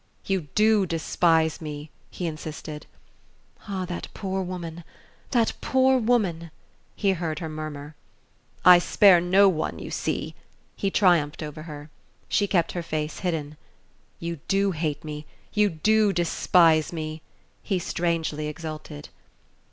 "You DO despise me!" he insisted. "Ah, that poor woman that poor woman " he heard her murmur. "I spare no one, you see!" he triumphed over her. She kept her face hidden. "You do hate me, you do despise me!" he strangely exulted.